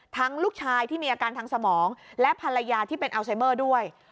ลูกชายที่มีอาการทางสมองและภรรยาที่เป็นอัลไซเมอร์ด้วย